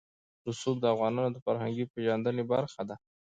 رسوب د افغانانو د فرهنګي پیژندنې برخه ده.